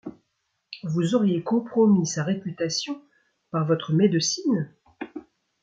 vous auriez compromis sa réputation par votre médecine ?